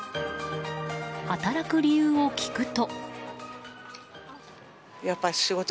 働く理由を聞くと。